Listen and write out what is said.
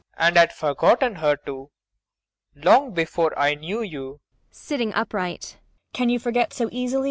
And had forgotten her, too long before I knew you. MAIA. [Sitting upright.] Can you forget so easily, Rubek?